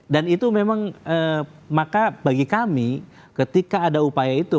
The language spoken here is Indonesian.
dan itu memang maka bagi kami ketika ada upaya itu